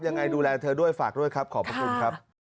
ยังไงดูแลเธอด้วยฝากด้วยครับขอบพระคุณครับ